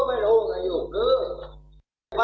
มีลูกอาถรรม